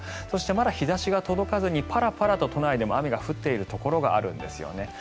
そして、まだ日差しは届かずにパラパラと都内でも雨が降っているところがあるんですよね。